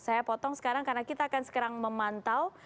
saya potong sekarang karena kita akan sekarang memantau